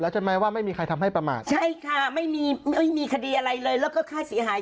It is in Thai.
ใช่ค่ะไม่มีคดีอะไรเลยแล้วก็ค่าเสียหาย